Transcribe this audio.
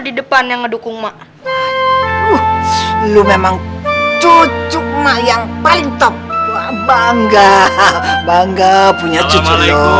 di depan yang mendukung mak aduh lu memang cucu mah yang paling top bangga bangga punya cucu